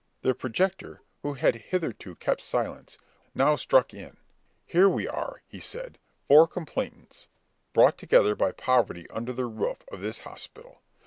The projector, who had hitherto kept silence, now struck in. "Here we are," he said, "four complainants, brought together by poverty under the roof of this hospital.